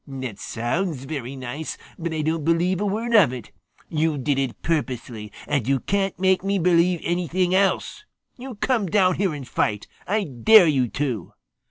"That sounds very nice, but I don't believe a word of it. You did it purposely, and you can't make me believe anything else. Come down here and fight. I dare you to!"